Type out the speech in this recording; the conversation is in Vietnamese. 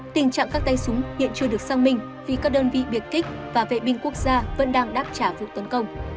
tình trạng các tay súng hiện chưa được sang mình vì các đơn vị biệt kích và vệ binh quốc gia vẫn đang đáp trả vụ tấn công